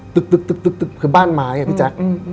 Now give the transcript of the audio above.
ตึกคือบ้านไม้อะพี่แจ๊ค